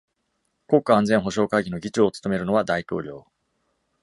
国家安全保障会議の議長を務めるのは大統領。